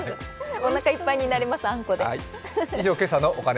おなかいっぱいになります、あんこで。